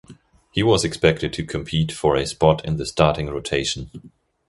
He was expected to compete for a spot in the starting rotation.